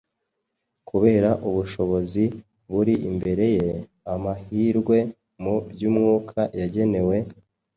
kubera ubushobozi buri imbere ye, amahirwe mu by’Umwuka yagenewe,